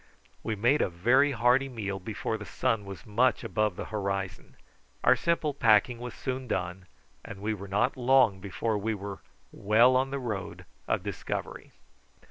We made a very hearty meal before the sun was much above the horizon; our simple packing was soon done, and we were not long before we were well on the road of discovery.